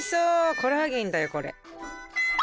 コラーゲンだよこれ。